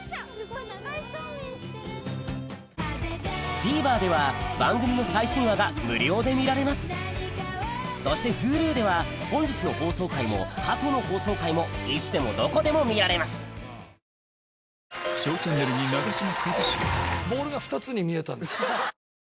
ＴＶｅｒでは番組の最新話が無料で見られますそしてＨｕｌｕでは本日の放送回も過去の放送回もいつでもどこでも見られますセーフ！